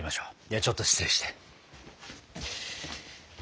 ではちょっと失礼して。